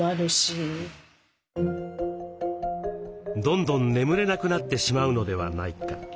どんどん眠れなくなってしまうのではないか。